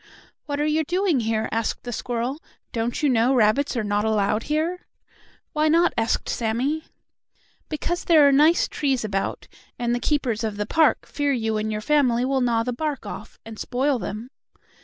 "What are you doing here?" asked the squirrel. "Don't you know rabbits are not allowed here?" "Why not?" asked Sammie. "Because there are nice trees about, and the keepers of the park fear you and your family will gnaw the bark off and spoil them."